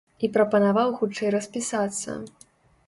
І прапанаваў хутчэй распісацца.